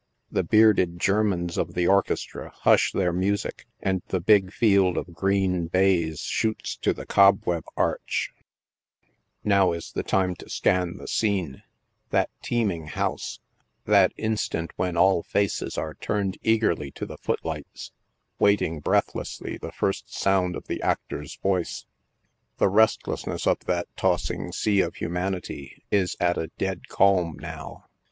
The bearded Germans of the orchestra hush their music and the big field of green baize shoots to the cob web arch. 120 NIGHT SIDE OF NEW YORK. Now is the time to scau the scene — that teeming house — that instant when all faces are turned eagerly to the foot lights, waiting breath lessly the first sound of the actor's voice. The restlessness of that tossing sea of humanity is at a dead calm now.